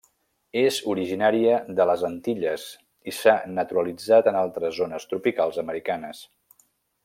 És originària de les Antilles i s'ha naturalitzat en altres zones tropicals americanes.